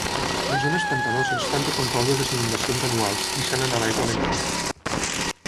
Les zones pantanoses fan de control de les inundacions anuals deixant anar l'aigua lentament.